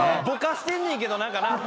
ぼかしてんねんけど何かな。